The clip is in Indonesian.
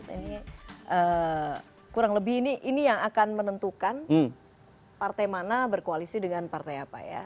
ini kurang lebih ini yang akan menentukan partai mana berkoalisi dengan partai apa ya